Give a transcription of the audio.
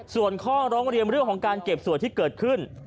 ต้องรองเรียนเรื่องของการเก็บส่วนที่เกิดขึ้น